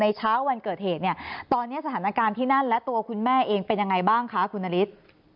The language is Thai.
เช้าวันเกิดเหตุเนี่ยตอนนี้สถานการณ์ที่นั่นและตัวคุณแม่เองเป็นยังไงบ้างคะคุณนฤทธิ์